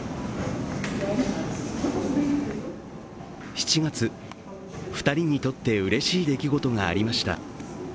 ７月、２人にとってうれしい出来事がありました。